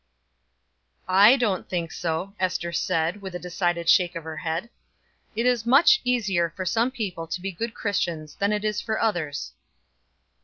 "I don't think so," Ester said, with a decided shake of the head. "It is much easier for some people to be good Christians than it is for others."